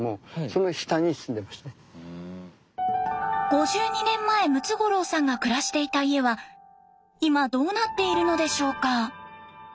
５２年前ムツゴロウさんが暮らしていた家は今どうなっているのでしょうか？